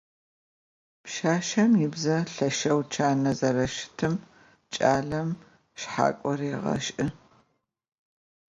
Пшъашъэм ыбзэ лъэшэу чанэу зэрэщытым кӏалэм шъхьакӏо регъэшӏы.